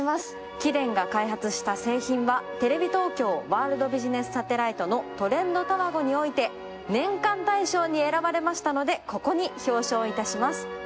貴殿が開発した製品は、テレビ東京「ワールドビジネスサテライト」の「トレンドたまご」において年間大賞に選ばれましたのでここに表彰いたします。